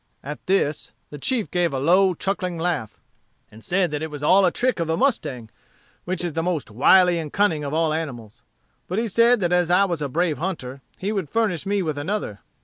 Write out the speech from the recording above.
At this the chief gave a low chuckling laugh, and said that it was all a trick of the mustang, which is the most wily and cunning of all animals. But he said that as I was a brave hunter, he would furnish me with another.